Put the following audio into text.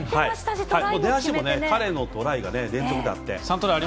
出足も彼のトライが連続であって。